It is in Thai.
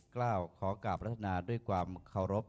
กล่าวขอกราบรัฐนาด้วยความเคารพ